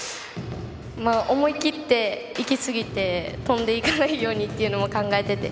思い切って行きすぎて飛んでいかないようにというのも考えてて。